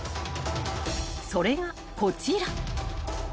［それがこちら］